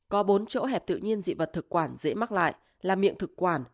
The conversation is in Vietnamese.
có bốn chỗ hẹp tự nhiên dị vật thực quản dễ mắc lại là miệng thực quản